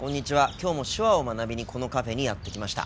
きょうも手話を学びにこのカフェにやって来ました。